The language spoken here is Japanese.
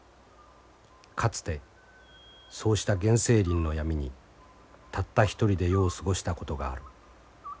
かつてそうした原生林の闇にたった一人で夜を過ごしたことがある。